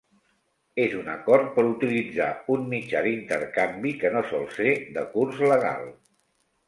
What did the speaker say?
És un acord per utilitzar un mitjà d'intercanvi que no sol ser de curs legal.